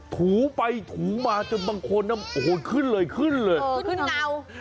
ถูไปถูมาจนบางคนขึ้นเลยขึ้นเลยขึ้นเงา